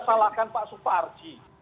salahkan pak soparji